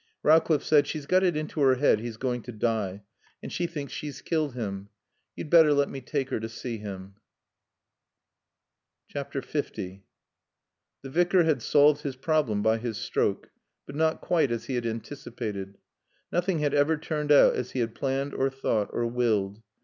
Rowcliffe said: "She's got it into her head he's going to die, and she thinks she's killed him. You'd better let me take her to see him." L The Vicar had solved his problem by his stroke, but not quite as he had anticipated. Nothing had ever turned out as he had planned or thought or willed.